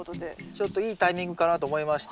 ちょっといいタイミングかなと思いまして